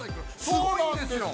◆すごいんですよ。